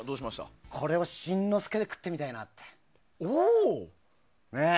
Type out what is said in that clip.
これを新之助で食ってみたいなって。